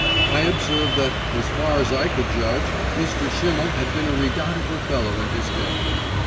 I observed that, as far as I could judge, Mr. Schimmel had been a redoubtable fellow in his day.